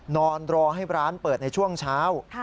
นอนรอให้ร้านเปิดในช่วงเช้า